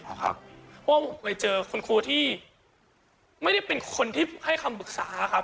เพราะว่าผมไปเจอคุณครูที่ไม่ได้เป็นคนที่ให้คำปรึกษาครับ